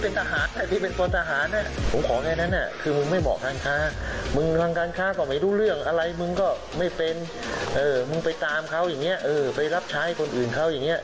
เป็นทหารคนหนึ่งอะไรก็ได้เราก็ห่วงลูก